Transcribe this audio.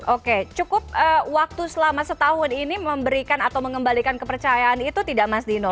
oke cukup waktu selama setahun ini memberikan atau mengembalikan kepercayaan itu tidak mas dino